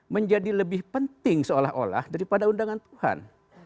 menjadi lebih penting seolah olah daripada undangan tuhan